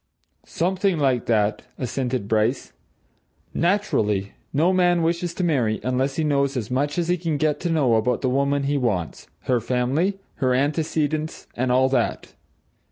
"Something like that," assented Bryce. "Naturally no man wishes to marry unless he knows as much as he can get to know about the woman he wants, her family, her antecedents and all that.